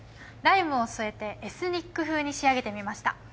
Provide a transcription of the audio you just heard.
ライムを添えてエスニック風に仕上げてみました。